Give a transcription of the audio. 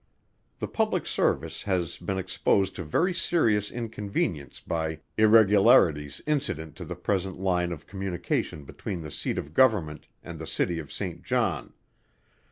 The Public Service has been exposed to very serious inconvenience by irregularities incident to the present line of communication between the Seat of Government and the City of Saint John.